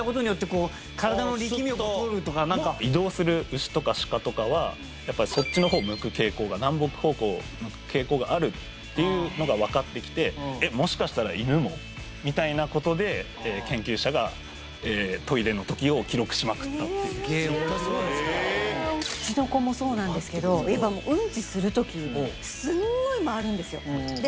スッと移動する牛とか鹿とかはやっぱりそっちほう向く傾向が南北方向を向く傾向があるっていうのが分かってきてえっもしかしたら犬も？みたいなことで研究者がえトイレのときを記録しまくったっていうえおもしろいうちの子もそうなんですけど今もううんちするときすっごい回るんですよで